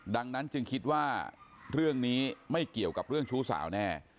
ดังนั้นจึงคิดว่าเรื่องนี้ไม่เกี่ยวกับเรื่องชู้สาวแน่